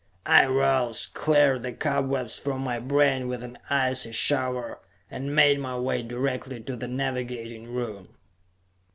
I rose, cleared the cobwebs from my brain with an icy shower, and made my way directly to the navigating room.